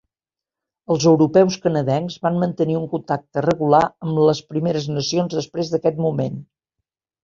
Els europeus-canadencs van mantenir un contacte regular amb les Primeres Nacions després d'aquest moment.